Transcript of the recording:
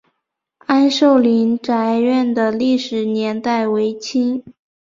安寿林宅院的历史年代为清。